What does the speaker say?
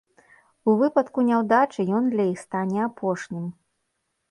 У выпадку няўдачы ён для іх стане апошнім.